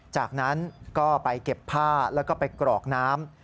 จากนั้นก็ไปเก็บผ้าแล้วก็ไปกรอกน้ำ